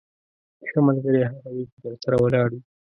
ښه ملګری هغه وي چې درسره ولاړ وي.